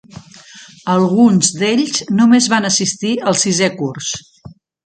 Alguns d'ells només van assistir al sisè curs.